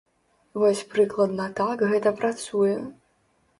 Вось прыкладна так гэта працуе.